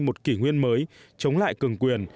một kỷ nguyên mới chống lại cường quyền